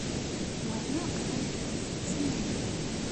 Wehmeɣ amek tettettem ayennat-a.